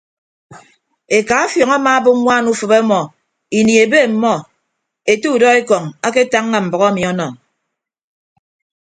Eka afiọñ amaabịp ñwaan ufịp ọmọ ini ebe ọmmọ ete udọekọñ aketañña mbʌk emi ọnọ.